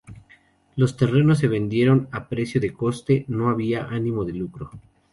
Los terrenos se vendieron a precio de coste, no había ánimo de lucro.